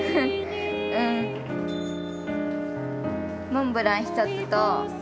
モンブラン１つと。